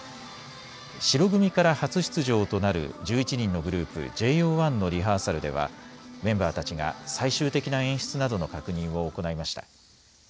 白組から初出場となる１１人のグループ、ＪＯ１のリハーサルではメンバーたちが最終的な演出などの確認を行いました。